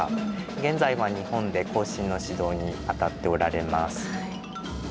現在は日本で後進の指導にあたっておられます。